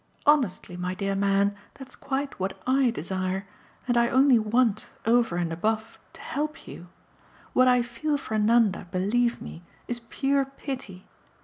Honestly, my dear man, that's quite what I desire, and I only want, over and above, to help you. What I feel for Nanda, believe me, is pure pity.